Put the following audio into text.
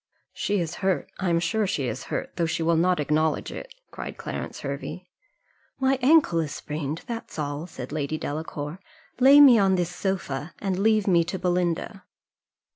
"She is hurt I am sure she is hurt, though she will not acknowledge it," cried Clarence Hervey. "My ankle is sprained, that's all," said Lady Delacour "lay me on this sofa, and leave me to Belinda."